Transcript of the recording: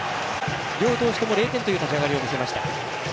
両投手とも０点という立ち上がりを見せました。